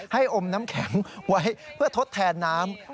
อมน้ำแข็งไว้เพื่อทดแทนน้ำ